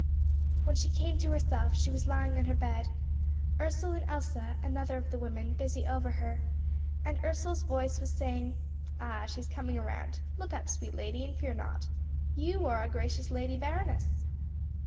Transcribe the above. When she came to herself she was lying on her bed, Ursel and Else, another of the women, busy over her, and Ursel's voice was saying, "Ah, she is coming round. Look up, sweet lady, and fear not. You are our gracious Lady Baroness."